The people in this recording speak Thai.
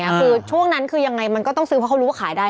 คือช่วงนั้นคือยังไงมันก็ต้องซื้อเพราะเขารู้ว่าขายได้